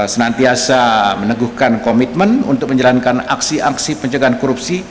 senantiasa meneguhkan komitmen untuk menjalankan aksi aksi pencegahan korupsi